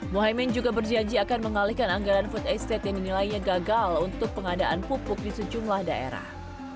muhaymin juga berjanji akan mengalihkan anggaran food estate yang dinilainya gagal untuk pengadaan pupuk di sejumlah daerah